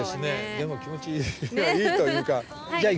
でも気持ちいいというか。